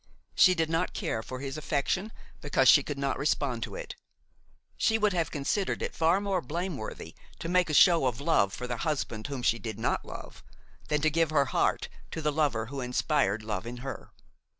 She did not care for his affection because she could not respond to it. She would have considered it far more blameworthy to make a show of love for the husband whom she did not love, than to give her heart to the lover who inspired love in her.